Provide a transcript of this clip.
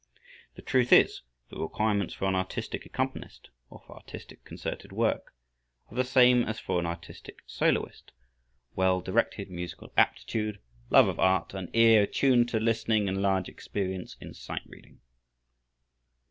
The truth is, the requirements for an artistic accompanist, or for artistic concerted work, are the same as for an artistic soloist: well directed musical aptitude, love of art, an ear attuned to listening and large experience in sight reading.